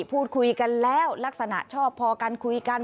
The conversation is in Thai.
พูดคุยกันแล้วลักษณะชอบพอกันคุยกัน